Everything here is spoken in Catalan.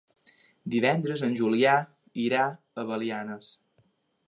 Divendres en Julià irà a Belianes.